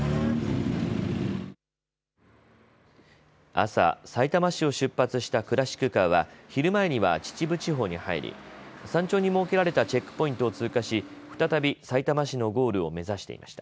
朝、さいたま市を出発したクラシックカーは昼前には秩父地方に入り、山頂に設けられたチェックポイントを通過し再びさいたま市のゴールを目指していました。